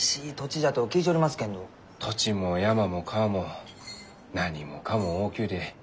土地も山も川も何もかも大きゅうて。